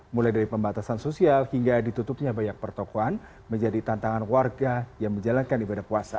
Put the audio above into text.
mulai dari pembatasan sosial hingga ditutupnya banyak pertokohan menjadi tantangan warga yang menjalankan ibadah puasa